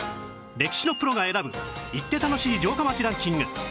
歴史のプロが選ぶ行って楽しい城下町ランキング